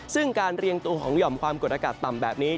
ซึ่งการเรียงตัวของหย่อมความกดอากาศต่ำแบบนี้